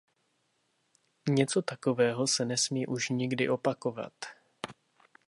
Něco takového se nesmí už nikdy opakovat.